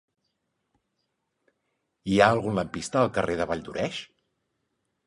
Hi ha algun lampista al carrer de Valldoreix?